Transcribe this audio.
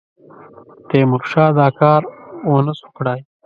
تیمورشاه دا کار ونه سو کړای.